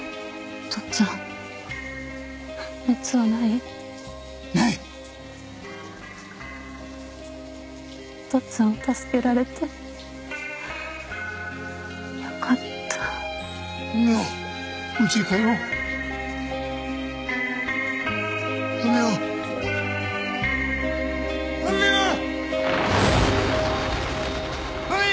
おとっつぁんを助けられてよかった文代うちへ帰ろう文代文代！